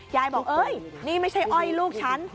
ยายบอกเอ้ยนี่ไม่ใช่อ้อยลูกฉัน